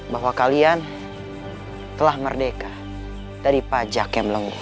bahwa kalian telah merdeka dari pajak yang lengah